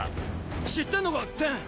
知ってんのかテン